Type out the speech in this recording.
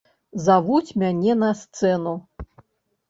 Завуць мяне на сцэну.